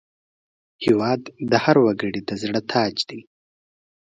هېواد د هر وګړي د زړه تاج دی.